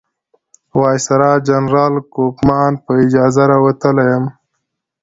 د وایسرا جنرال کوفمان په اجازه راوتلی یم.